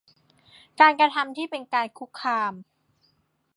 การกระทำที่เป็นการคุกคาม